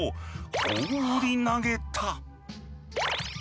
放り投げた。